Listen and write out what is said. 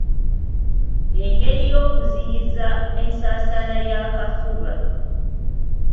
Engeri y’okuziyiza ensaasaana y’akafuba